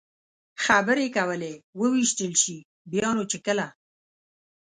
خبرې کولې، ووېشتل شي، بیا نو چې کله.